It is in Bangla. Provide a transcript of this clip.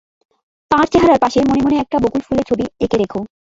তাঁর চেহারার পাশে মনে মনে একটা বকুল ফুলের ছবি এঁকে রাখো।